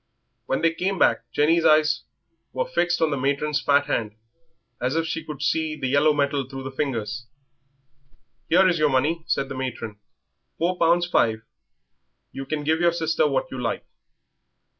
When they came back Jenny's eyes were fixed on the matron's fat hand as if she could see the yellow metal through the fingers. "Here is your money," said the matron; "four pounds five. You can give your sister what you like."